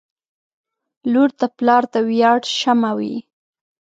• لور د پلار د ویاړ شمعه وي.